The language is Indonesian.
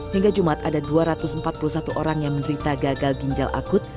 hingga jumat ada dua ratus empat puluh satu orang yang menderita gagal ginjal akut